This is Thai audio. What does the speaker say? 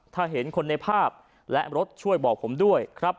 ถ้าเห็นคนในภาพและรถช่วยบอกผมด้วยครับ